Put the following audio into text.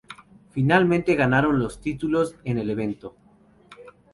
Finalmente ganaron los títulos en el evento.